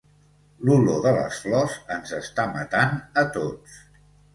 L'olor de les flors ens està matant a tots.